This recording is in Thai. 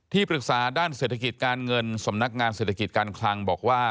ปรึกษาด้านเศรษฐกิจการเงินสำนักงานเศรษฐกิจการคลังบอกว่า